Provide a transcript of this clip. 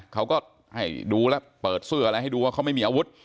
เขาก็ให้ดูแล้วเปิดเสื้ออะไรให้ดูว่าเขาไม่มีอาวุธ